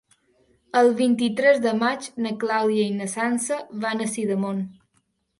El vint-i-tres de maig na Clàudia i na Sança van a Sidamon.